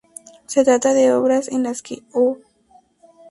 Se trata de obras en las que "Oh!